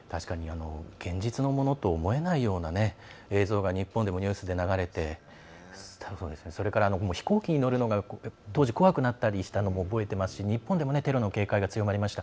現実のものと思えないような映像が日本でもニュースで流れてそれから飛行機に乗るのが当時、怖くなったのも覚えてますし日本でもテロの警戒が強まりました。